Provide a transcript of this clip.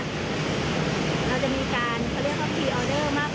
ฉะนั้นอากาศร้อนก็คงได้อากาศน้ำก็ไม่ได้